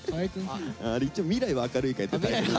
あれ一応「未来は明るいかい？」ってタイトル。